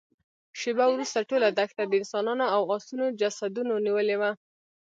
شېبه وروسته ټوله دښته د انسانانو او آسونو جسدونو نيولې وه.